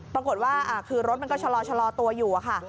ปรากฏว่าคือรถมันก็ชะลอตัวอยู่ค่ะ